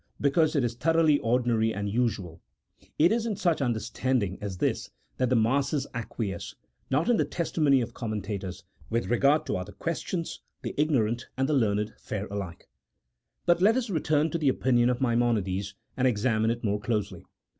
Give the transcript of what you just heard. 117 "because it is thoroughly ordinary and usual ; it is in such understanding as this that the masses acquiesce, not in the testimony of commentators ; with regard to other questions, the ignorant and the learned fare alike. But let us return to the opinion of Maimonides, and exa mine it more closely.